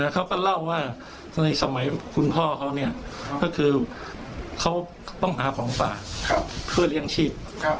เขาก็เล่าว่าในสมัยคุณพ่อเขาก็คือเขาต้องหาของฝากเพื่อเลี้ยงชีพ